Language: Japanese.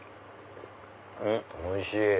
おいしい！